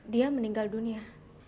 dia meninggal dunia